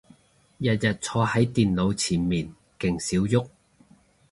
日日坐係電腦前面勁少郁